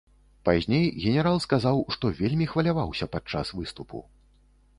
Пазней генерал сказаў, што вельмі хваляваўся падчас выступу.